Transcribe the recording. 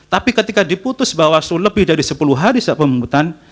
tapi ketika diputus bawaslu lebih dari sepuluh hari saat pemungutan